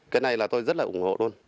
cái này là tôi rất là ủng hộ luôn